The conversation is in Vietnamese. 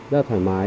rất là thoải mái